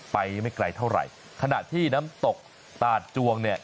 ไม่ไกลเท่าไหร่ขณะที่น้ำตกตาดจวงเนี่ย